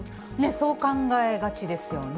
そう考えがちですよね。